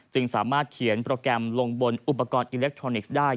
สามารถเขียนโปรแกรมลงบนอุปกรณ์อิเล็กทรอนิกส์ได้